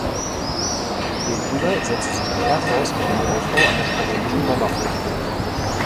Demgegenüber setzte sich die Air Force mit dem Aufbau einer strategischen Bomberflotte durch.